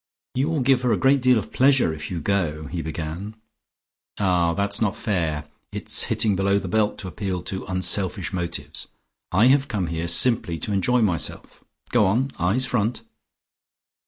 "You will give her a great deal of pleasure if you go," he began. "Ah, that's not fair; it is hitting below the belt to appeal to unselfish motives. I have come here simply to enjoy myself. Go on; eyes front."